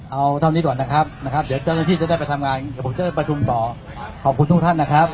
เอาเท่านี้ก่อนนะครับนะครับเดี๋ยวเจ้าหน้าที่จะได้ไปทำงานเดี๋ยวผมจะได้ประชุมต่อขอบคุณทุกท่านนะครับ